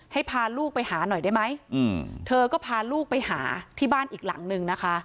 พาลูกไปหาหน่อยได้ไหมเธอก็พาลูกไปหาที่บ้านอีกหลังนึงนะคะ